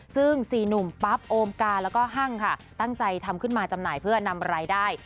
ซึ่ง๔หนุ่มปั๊บโอมกาแล้วก็ห้างค่ะตั้งใจทำขึ้นมาจำหน่ายเพื่อนำรายได้